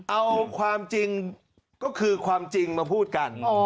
เอาความจริงก็คือความจริงมาพูดกัน